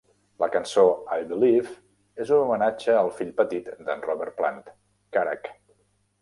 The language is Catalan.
La cançó "I Believe" és un homenatge al fill petit d'en Robert Plant, Karac.